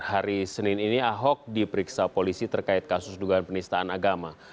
hari senin ini ahok diperiksa polisi terkait kasus dugaan penistaan agama